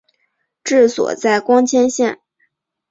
治所在光迁县。